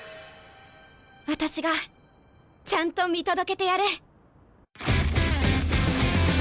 私がちゃんと見届けてやる。